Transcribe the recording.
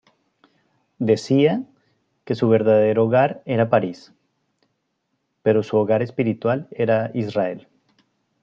Decía que su verdadero hogar era París, pero su hogar espiritual era Israel.